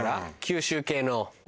九州系の。